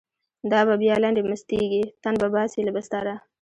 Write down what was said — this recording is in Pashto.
دا به بیا لنډۍ مستیږی، تن به باسی له بستره